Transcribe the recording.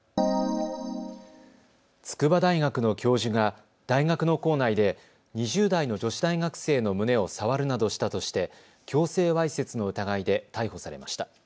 筑波大学の教授が大学の構内で２０代の女子大学生の胸を触るなどしたとして強制わいせつの疑いで逮捕されました。